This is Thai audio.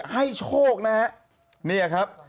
ให้โชคนะครับ